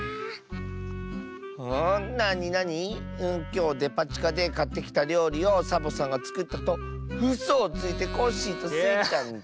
「きょうデパちかでかってきたりょうりをサボさんがつくったとうそをついてコッシーとスイちゃんに」。